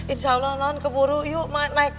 insya allah non keburu yuk naik